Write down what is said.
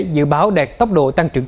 dự báo đạt tốc độ tăng trưởng